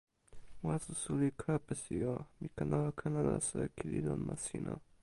waso suli Kapesi o, mi ken ala ken alasa e kili lon ma sina?